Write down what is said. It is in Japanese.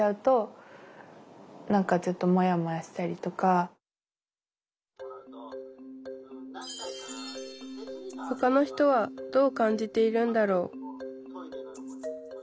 例えばほかの人はどう感じているんだろう？